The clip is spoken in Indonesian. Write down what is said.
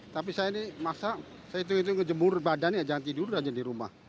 tapi saya ini masa saya itu itu ngejemur badannya ganti dulu aja di rumah